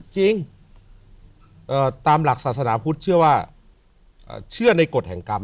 จริงตามหลักศาสนาพุทธเชื่อว่าเชื่อในกฎแห่งกรรม